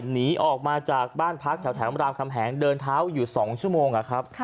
หนีออกมาจากบ้านพักแถวรามคำแหงเดินเท้าอยู่๒ชั่วโมงครับ